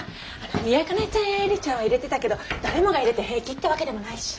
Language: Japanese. ミヤカナちゃんやエリちゃんは入れてたけど誰もが入れて平気ってわけでもないし。